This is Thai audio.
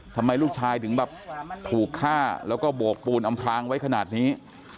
ทำไมลูกชายถึงแบบถูกฆ่าแล้วก็โบกปูนอำพลางไว้ขนาดนี้